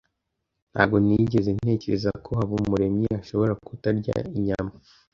Ntabwo nigeze ntekereza ko Habumuremyi ashobora kutarya inyama.